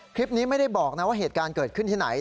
คลิปนี้ไม่ได้บอกนะว่าเหตุการณ์เกิดขึ้นที่ไหน